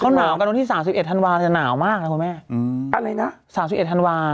เขาหนาวกันวันที่๓๑ธันวาจะหนาวมากนะคุณแม่อะไรนะ๓๑ธันวา